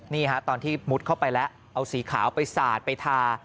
นี่ฮะตอนที่มุดเข้าไปแล้วเอาสีขาวไปสาดไปทา